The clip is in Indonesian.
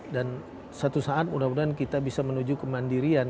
dan satu saat mudah mudahan kita bisa menuju kemandirian